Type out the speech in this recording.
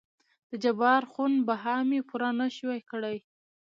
دجبار خون بها مې پوره نه شوى کړى.